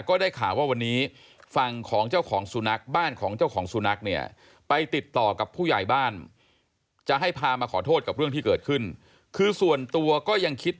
ก็ได้ข่าวว่าวันนี้ฝั่งของเจ้าของสุนัข